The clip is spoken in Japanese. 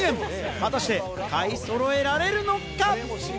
果たして買いそろえられるのか？